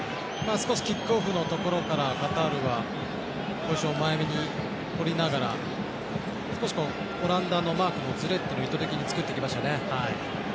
キックオフのところからカタールはポジションを前めにとりながら少しオランダのマークのずれっていうのを意図的に作ってきましたね。